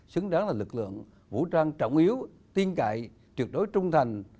xứng đáng là lực lượng vũ trang trọng yếu tiên cại trực đối trung thành